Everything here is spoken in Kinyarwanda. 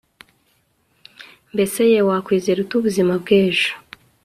mbese ye wakizera ute ubuzima bw'ejo